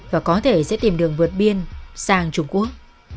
và có thể sẽ tìm đường vượt biên sang trung quốc